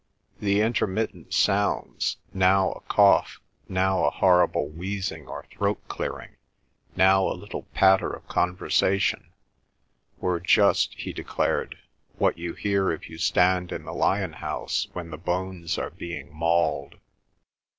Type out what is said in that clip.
The intermittent sounds—now a cough, now a horrible wheezing or throat clearing, now a little patter of conversation—were just, he declared, what you hear if you stand in the lion house when the bones are being mauled.